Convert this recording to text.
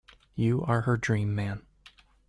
You are her dream man.